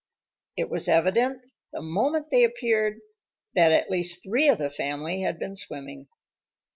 It was evident the moment they appeared that at least three of the family had been swimming.